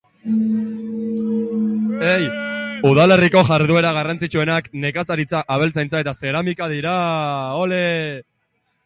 Udalerriko jarduera garrantzitsuenak nekazaritza, abeltzaintza eta zeramika dira.